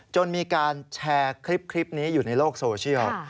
จนมีการแชร์คลิปนี้อยู่ในโลกโซเชียล